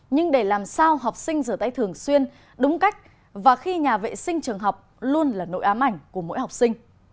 nhưng để làm sao học sinh rửa tay thường xuyên đúng cách và khi nhà vệ sinh trường học luôn là nội ám ảnh của mỗi học sinh